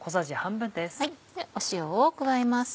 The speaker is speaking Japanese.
塩を加えます。